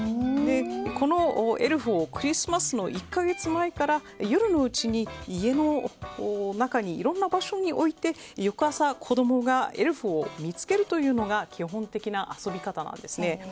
このエルフをクリスマスの１か月前から夜のうちに家の中のいろんな場所に置いて翌朝、子供がエルフを見つけるというのが基本的な遊び方なんですね。